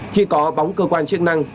khi có bóng cơ quan chức năng